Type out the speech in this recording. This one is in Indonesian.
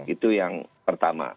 itu yang pertama